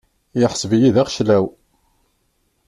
Iḥseb-iyi d axeclaw.